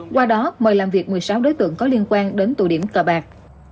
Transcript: qua đó mời làm việc một mươi sáu đối tượng có liên quan đến tụ điểm cờ bạc